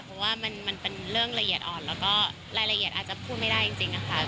เพราะว่ามันเป็นเรื่องละเอียดอ่อนแล้วก็รายละเอียดอาจจะพูดไม่ได้จริงค่ะ